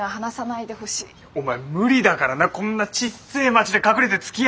お前無理だからなこんなちっせえ町で隠れてつきあうとか。